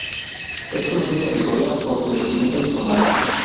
Es conocido en Corea por su vestimenta informal.